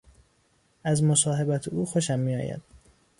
از مصاحبت او خوشم می آید.